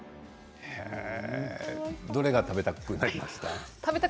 どれが食べたくなりました？